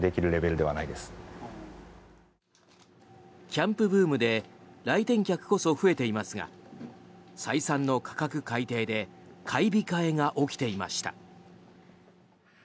キャンプブームで来店客こそ増えていますが再三の価格改定で買い控えが起きていました。